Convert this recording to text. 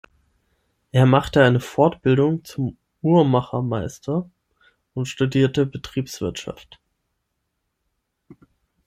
Er machte eine Fortbildung zum Uhrmachermeister und studierte Betriebswirtschaft.